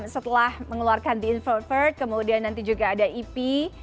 setelah mengeluarkan the introvert kemudian nanti juga ada ep